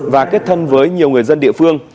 và kết thân với nhiều người dân địa phương